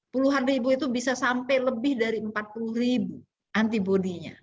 puluhan ribu itu bisa sampai lebih dari empat puluh ribu antibody nya